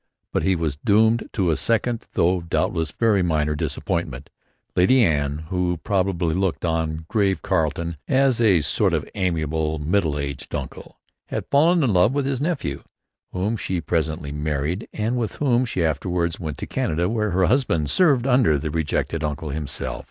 But he was doomed to a second, though doubtless very minor, disappointment. Lady Anne, who probably looked on 'grave Carleton' as a sort of amiable, middle aged uncle, had fallen in love with his nephew, whom she presently married, and with whom she afterwards went out to Canada, where her husband served under the rejected uncle himself.